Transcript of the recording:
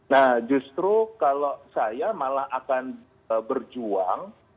nah justru kalau saya malah akan berjuang